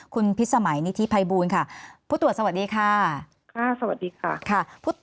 คุณพิษสมัยนิธิภัยบูลค่ะผู้ตรวจสวัสดีค่ะค่ะสวัสดีค่ะ